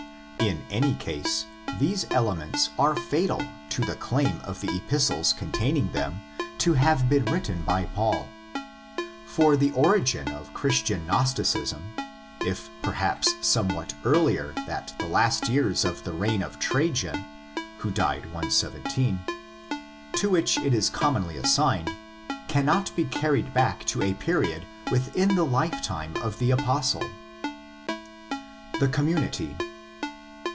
In any case, these elements are fatal to the claim of the Epistles containing them to'have been written by Paul. For the origin of Christian Gnosticism, if perhaps somewhat earlier that the last years of the reign of Trajan (d. 117), to which it is commonly assigned, cannot be carried back to a period within the lifetime of the Apostle.} The Community.